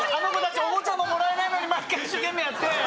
おもちゃももらえないのに毎回一生懸命やって。